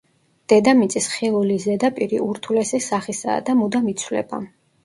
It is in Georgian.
დედამიწის ხილული ზედაპირი ურთულესი სახისაა და მუდამ იცვლება.